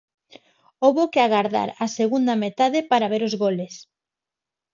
Houbo que agardar á segunda metade para ver os goles.